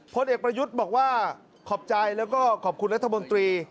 พลเอกประยุทธ์บอกว่าขอบใจแล้วก็ขอบคุณรัฐมนตรี